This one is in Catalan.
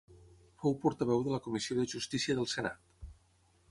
Fou portaveu de la Comissió de Justícia del Senat.